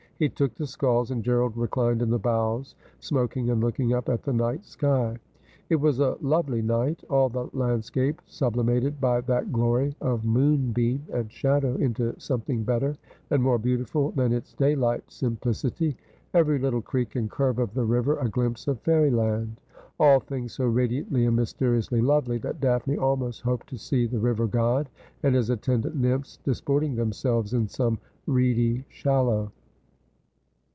He took the sculls, and Gerald reclined in the bows, smoking and looking up at the night sky. It was a lovely night, all the landscape sublimated by that glory of moonbeam and shadow into something better and more beautiful than its daylight simplicity ; every little creek and curve of the river a glimpse of fairyland ; all things so radiantly and mysteriously lovely that Daphne almost hoped to see the river god and his attendant nymphs disporting themselves in some reedy shallow.